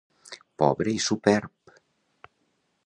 Pobre i superb.